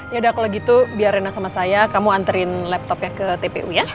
yaudah kalau gitu biar rena sama saya kamu anterin laptopnya ke tpu ya